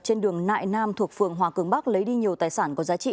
trên đường nại nam thuộc phường hòa cường bắc lấy đi nhiều tài sản có giá trị